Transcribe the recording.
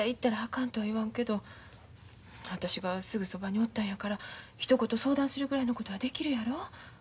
かんとは言わんけど私がすぐそばにおったんやからひと言相談するぐらいのことはできるやろ。